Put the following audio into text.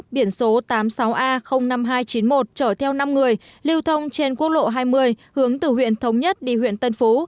biển số tám mươi sáu a năm nghìn hai trăm chín mươi một chở theo năm người lưu thông trên quốc lộ hai mươi hướng từ huyện thống nhất đi huyện tân phú